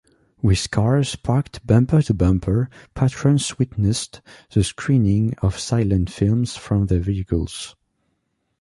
With cars parked bumper-to-bumper, patrons witnessed the screening of silent films from their vehicles.